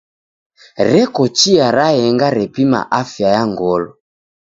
Reko chia raenga repima afya ya ngolo.